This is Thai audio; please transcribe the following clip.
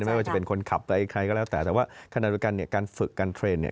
ไม่ว่าจะเป็นคนขับใดใครก็แล้วแต่แต่ว่าขณะเดียวกันเนี่ยการฝึกการเทรนด์เนี่ย